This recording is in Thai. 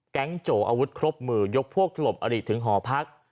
แก๊งโจอาวุธครบหมื่นยกพวกลบอดีตถึงหอพัก